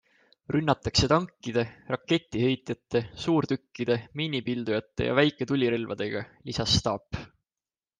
Rünnatakse tankide, raketiheitjate, suurtükkide, miinipildujate ja väiketulirelvadega, lisas staap.